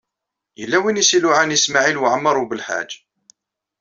Yella win i s-iluɛan i Smawil Waɛmaṛ U Belḥaǧ.